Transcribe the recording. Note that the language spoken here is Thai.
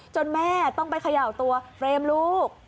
แม่ต้องไปเขย่าตัวเฟรมลูก